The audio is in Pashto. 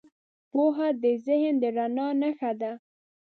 پوهه د ذهن د رڼا نښه ده.